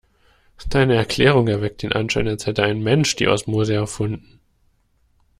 Deine Erklärung erweckt den Anschein, als hätte ein Mensch die Osmose erfunden.